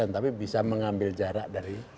tapi bisa mengambil jarak dari